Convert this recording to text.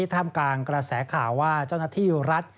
ท่ามกลางกระแสข่าวว่าเจ้าหน้าที่รัฐ